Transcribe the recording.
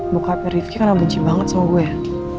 bukapnya rifki kan abunci banget sama gue ya